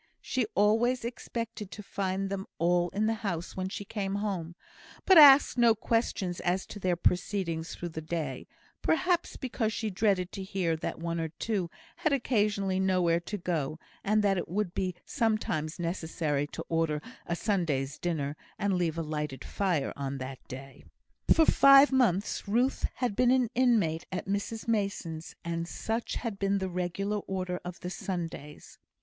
She always expected to find them all in the house when she came home, but asked no questions as to their proceedings through the day; perhaps because she dreaded to hear that one or two had occasionally nowhere to go, and that it would be sometimes necessary to order a Sunday's dinner, and leave a lighted fire on that day. For five months Ruth had been an inmate at Mrs Mason's, and such had been the regular order of the Sundays.